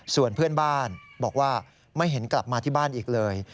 ส่วนเพื่อนบ้านบอกว่าไม่เห็นกลับมาที่บ้านอีกเลย